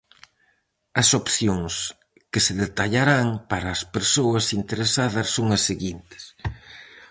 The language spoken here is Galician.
As opcións que se detallarán para as persoas interesadas son as seguintes: